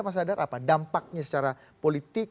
mas sadar apa dampaknya secara politik